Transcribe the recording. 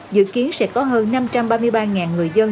dự kiến sẽ có hơn năm trăm ba mươi ba người dân